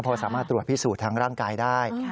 พอสามารถตรวจพิสูจน์ทางร่างกายได้